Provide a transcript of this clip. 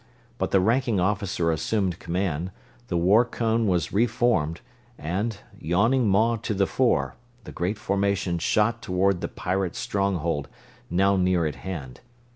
But the ranking officer assumed command, the war cone was re formed, and, yawning maw to the fore, the great formation shot toward the pirate stronghold, now near at hand.